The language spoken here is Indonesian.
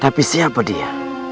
tapi siapa dia